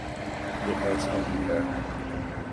یہ ایسا ہی ہے۔